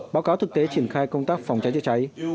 báo cáo thực tế triển khai công tác phòng cháy chữa cháy